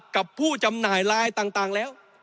กับผู้จำหน่ายลายต่างแล้ว